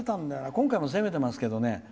今回も攻めてますけどね。